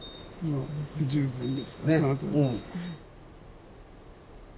もう十分です。